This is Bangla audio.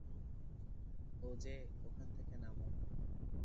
ওজে, ওখান থেকে নামো।